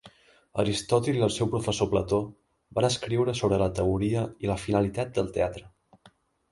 Aristòtil i el seu professor Plató van escriure sobre la teoria i la finalitat del teatre.